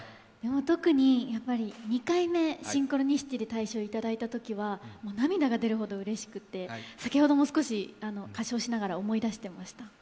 特に、２回目、「シンクロニシティ」で大賞をいただいたときは涙が出るほどうれしくて、先ほども少し歌唱しながら思い出していました。